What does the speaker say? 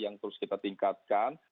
yang terus kita tingkatkan